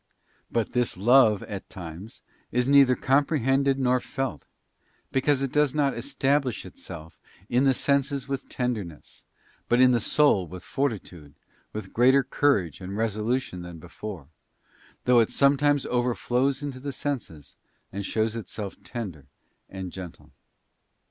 But this love at times is neither compre hended nor felt, because it does not establish itself in the senses with tenderness, but in the soul with fortitude, with greater courage and resolution than before; though it some times overflows into the senses, and shows itself tender and gentle.